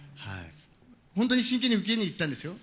本当に真剣に受けに行ったんですよ。